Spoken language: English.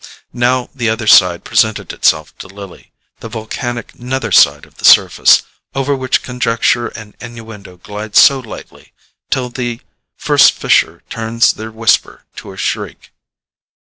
Now the other side presented itself to Lily, the volcanic nether side of the surface over which conjecture and innuendo glide so lightly till the first fissure turns their whisper to a shriek.